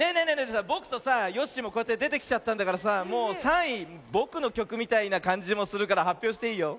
えぼくとさヨッシーもこうやってでてきちゃったんだからさもう３いぼくのきょくみたいなかんじもするからはっぴょうしていいよ。